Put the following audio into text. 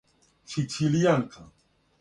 сицилијанка